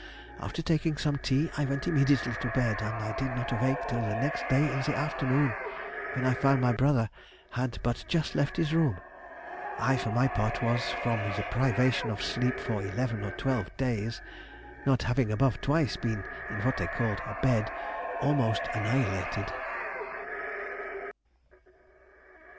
After taking some tea I went immediately to bed, and I did not awake till the next day in the afternoon, when I found my brother had but just left his room. I for my part was, from the privation of sleep for eleven or twelve days (not having above twice been in what they called a bed) almost annihilated."